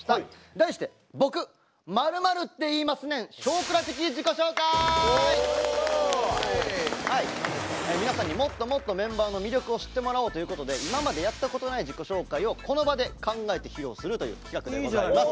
題して皆さんにもっともっとメンバーの魅力を知ってもらおうということで今までやったことない自己紹介をこの場で考えて披露するという企画でございます。